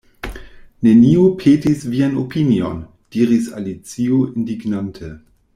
"Neniu petis vian opinion," diris Alicio indignante.